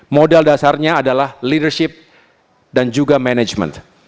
modal dasarnya adalah leadership dan juga manajemen